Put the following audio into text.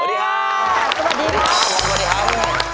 สวัสดีครับ